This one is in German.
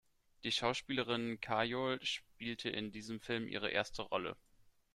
Die Schauspielerin Kajol spielte in diesem Film ihre erste Rolle.